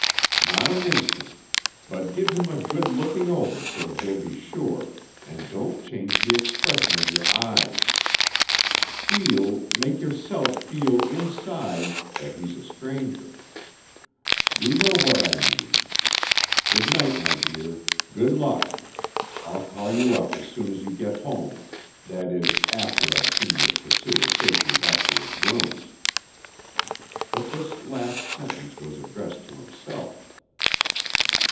"Not an instant. But give him a good looking over so that he'll be sure, and don't change the expression of your eyes. Feel, make yourself feel inside, that he's a stranger. You know what I mean. Good night, my dear. Good luck. I'll call you up as soon as you get home that is, after I've seen your pursuer safely back to his rooms." But this last sentence was addressed to himself.